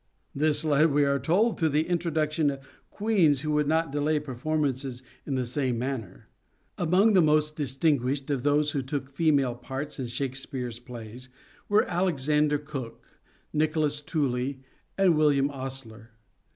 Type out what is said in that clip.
This led, we are told, to the introduction of queens who would not delay performances in the same manner. Among the most distinguished of those who took female parts in Shakespeare's plays were Alexander Cooke, Nicholas Tooley, and William Ostler.